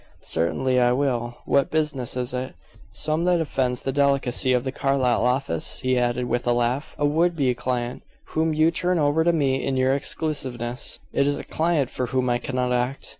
"Certainly I will. What business is it? Some that offends the delicacy of the Carlyle office?" he added, with a laugh. "A would be client whom you turn over to me in your exclusiveness?" "It is a client for whom I cannot act.